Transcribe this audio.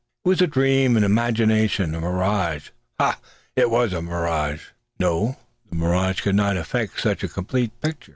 It was a dream, an imagination, a mirage. Ha! it was the mirage! No! The mirage could not effect such a complete picture.